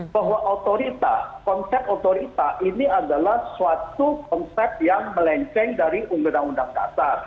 bahwa otorita konsep otorita ini adalah suatu konsep yang melenceng dari undang undang dasar